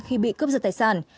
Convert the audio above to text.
khi bị cướp giật tài sản